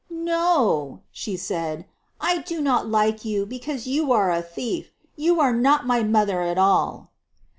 "No," she said; "I do not like you, because you kre a thief. You are not my mother at all."